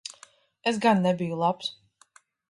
Es gan nebiju labs.